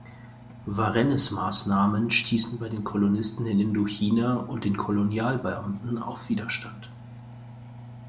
Varennes Maßnahmen stießen bei den Kolonisten in Indochina und den Kolonialbeamten auf Widerstand.